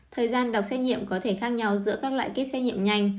thời gian đọc xét nhiệm có thể khác nhau giữa các loại kỹ xét nhiệm nhanh